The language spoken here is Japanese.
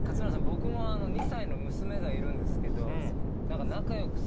僕も２歳の娘がいるんですけど。